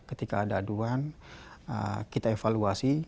ketika ada aduan kita evaluasi